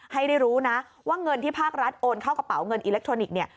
ให้ได้รู้นะว่าเงินที่ภาครัฐโอนเข้ากระเป๋าเงินอิเล็กทรอนิกส์เนี่ย